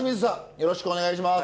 よろしくお願いします。